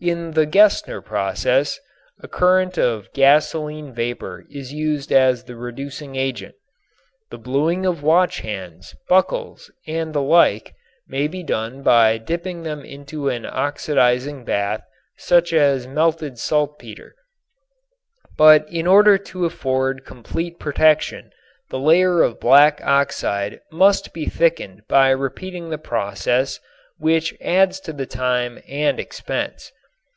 In the Gesner process a current of gasoline vapor is used as the reducing agent. The blueing of watch hands, buckles and the like may be done by dipping them into an oxidizing bath such as melted saltpeter. But in order to afford complete protection the layer of black oxide must be thickened by repeating the process which adds to the time and expense.